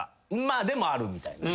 まあでもあるみたいな。